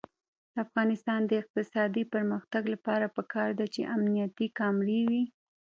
د افغانستان د اقتصادي پرمختګ لپاره پکار ده چې امنیتي کامرې وي.